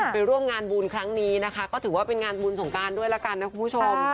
ไปร่วมงานบุญครั้งนี้นะคะก็ถือว่าเป็นงานบุญสงการด้วยละกันนะคุณผู้ชม